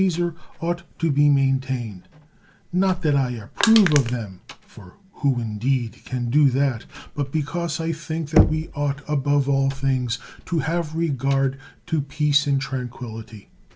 sar ought to be maintained; not that I approve of them (for who indeed can do tiiatT) but because I think that we ought above all things to have regard to peace and tran quillity.